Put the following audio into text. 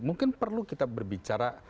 mungkin perlu kita berbicara